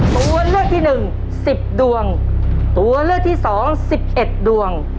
ตัวเลือกที่หนึ่งสิบดวงตัวเลือกที่สองสิบเอ็ดดวง